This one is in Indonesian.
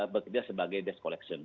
berkarya sebagai desk collection